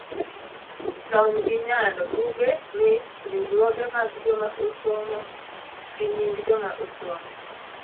lony gi nyalo, buge, mich, riwruoge mag joma osomo, gi nying joma osomo